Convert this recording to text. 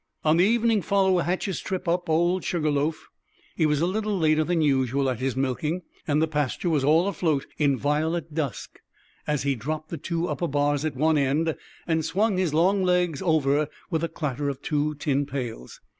On the evening following Hatch's trip up Old Sugar Loaf, he was a little later than usual at his milking, and the pasture was all afloat in violet dusk as he dropped the two upper bars at one end and swung his long legs over with a clatter of his two tin pails.